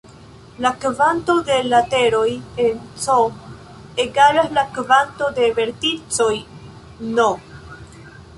La kvanto de lateroj en "C" egalas al kvanto de verticoj "n".